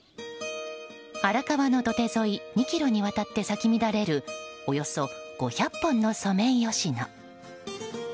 荒川の土手沿い２ｋｍにわたって咲き乱れるおよそ５００本のソメイヨシノ。